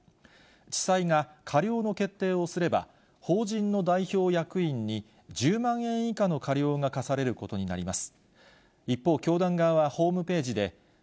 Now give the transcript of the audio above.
地裁が過料の決定をすれば、法人の代表役員に１０万円以下の過料が科されることになります。